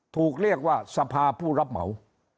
ถูกเรียกว่าสภาผู้รับเหมา